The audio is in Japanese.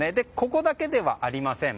ここだけではありません。